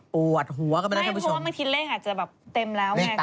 ปวดหัวกับนั้นค่ะผู้ชมไม่เพราะที่เลขอาจจะแบบเต็มแล้วไง